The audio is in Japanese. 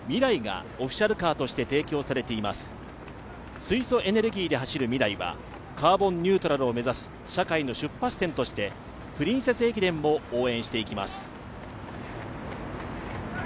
水素エネルギーで走るＭＩＲＡＩはカーボンニュートラルを目指す社会の出発点として「プリンセス駅伝」を応援していきます。